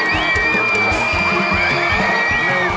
ผ่านไป๓นาทีแล้วค่ะ